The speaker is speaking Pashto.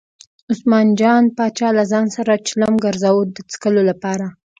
عثمان جان پاچا له ځان سره چلم ګرځاوه د څکلو لپاره.